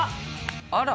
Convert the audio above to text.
あら。